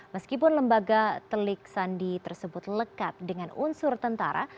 meskipun lembaga telik sandi tersebut lekat dengan unsur tentara